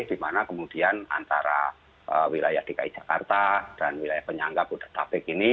di mana kemudian antara wilayah dki jakarta dan wilayah penyangga budetabek ini